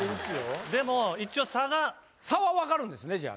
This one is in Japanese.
でも一応差が差は分かるんですね